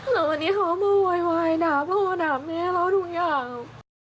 แล้ววันนี้เค้ามาวายดาบดาบแม่แล้วทุกอย่าง